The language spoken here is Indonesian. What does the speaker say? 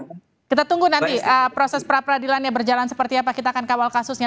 oke kita tunggu nanti proses pra peradilannya berjalan seperti apa kita akan kawal kasusnya